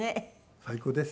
最高です。